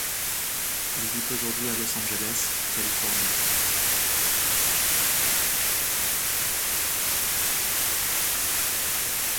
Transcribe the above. Il vit aujourd'hui à Los Angeles, Californie.